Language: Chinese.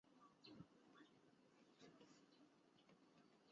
奶粉制造商在容器包装上均有标注调制配方奶的说明。